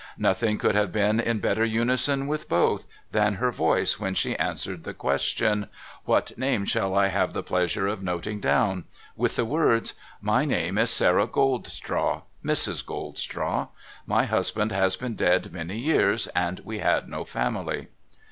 Nothing could have been in better unison with both, 484 NO THOROUGHFARE than her voice when she answered the question :' What name shall I have the pleasure of noting down ?' with the words, ' My name is Sarah Goldstraw. Mrs, Goldstraw. My husband has been dead many years, and we had no family.'